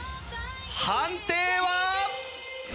判定は！？